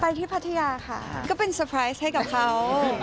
ที่พัทยาค่ะก็เป็นเตอร์ไพรส์ให้กับเขา